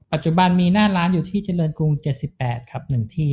ปัจจุบันมีหน้าร้านอยู่ที่เจริญกรุง๗๘ครับ๑ที่